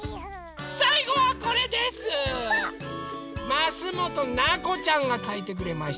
ますもとなこちゃんがかいてくれました。